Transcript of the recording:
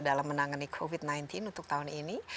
dalam menangani covid sembilan belas untuk tahun ini